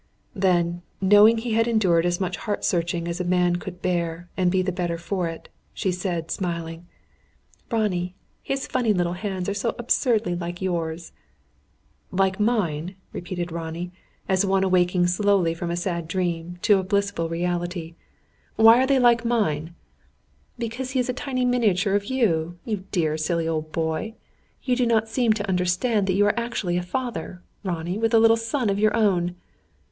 Then, knowing he had endured as much heart searching as a man could bear and be the better for it, she said, smiling: "Ronnie, his funny little hands are so absurdly like yours." "Like mine?" repeated Ronnie, as one awaking slowly from a sad dream, to a blissful reality. "Why are they like mine?" "Because he is a tiny miniature of you, you dear, silly old boy! You do not seem to understand that you are actually a father, Ronnie, with a little son of your own!"